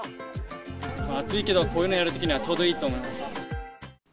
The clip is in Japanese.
暑いけど、こういうのやるときにはちょうどいいと思います。